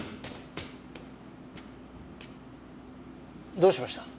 どうしました？